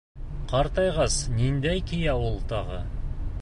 Ҡартайғас ниндәй кейәү ул тағы?